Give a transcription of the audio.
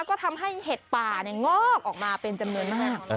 ก็ทำให้เห็ดป่างอกออกมาเป็นจำนวนมาก